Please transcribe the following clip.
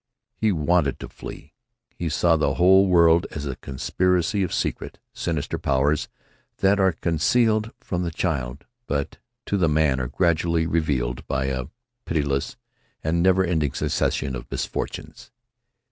He wanted to flee. He saw the whole world as a conspiracy of secret, sinister powers that are concealed from the child, but to the man are gradually revealed by a pitiless and never ending succession of misfortunes.